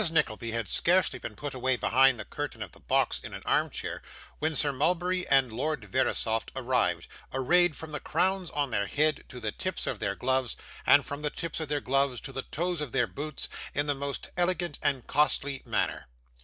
Nickleby had scarcely been put away behind the curtain of the box in an armchair, when Sir Mulberry and Lord Verisopht arrived, arrayed from the crowns of their heads to the tips of their gloves, and from the tips of their gloves to the toes of their boots, in the most elegant and costly manner.